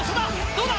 どうだ？